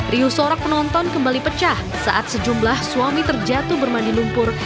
riu sorak penonton kembali pecah saat sejumlah suami terjatuh bermandi lumpur